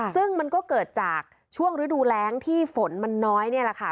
ซึ่งมันก็เกิดจากช่วงฤดูแรงที่ฝนมันน้อยนี่แหละค่ะ